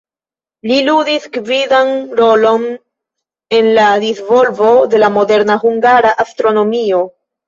Li ludis gvidan rolon en la disvolvo de la moderna hungara astronomio.